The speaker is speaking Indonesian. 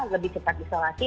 lebih cepat isolasi